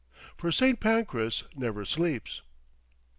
For St. Pancras never sleeps.